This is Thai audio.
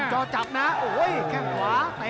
ท่วงจอจับนะโอ้ยแข้งขวา